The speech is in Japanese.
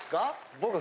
僕。